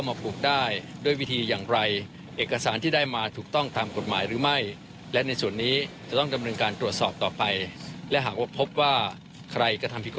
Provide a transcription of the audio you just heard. บนเกาะลีเป๊ะได้